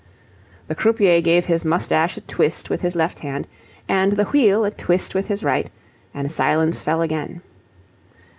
The croupier gave his moustache a twist with his left hand and the wheel a twist with his right, and silence fell again.